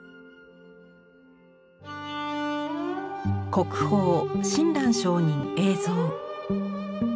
国宝「親鸞聖人影像」。